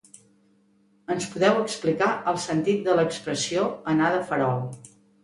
Ens podeu explicar el sentit de l’expressió ‘anar de farol’.